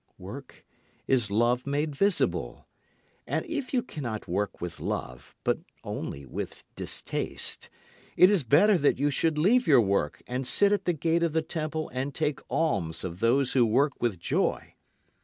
Work is love made visible. And if you cannot work with love but only with distaste, it is better that you should leave your work and sit at the gate of the temple and take alms of those who work with joy.